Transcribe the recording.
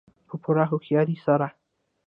په پوره هوښیارۍ سره.